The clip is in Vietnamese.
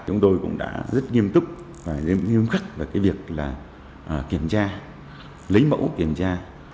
chúng tôi cũng đã rất nghiêm túc và nghiêm khắc về việc kiểm tra lấy mẫu kiểm tra